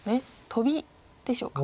トビでしょうか。